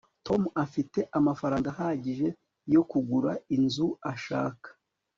tom afite amafaranga ahagije yo kugura inzu ashaka